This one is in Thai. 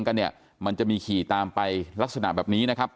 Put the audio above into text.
แต่ว่าในเวลาใกล้เคียงกันมันจะมีขี่ตามไปลักษณะแบบนี้นะครับ